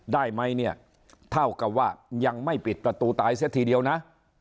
ได้ไหมเนี่ยเท่ากับว่ายังไม่ปิดประตูตายเสียทีเดียวนะ